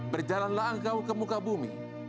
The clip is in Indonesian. berjalanlah engkau ke muka bumi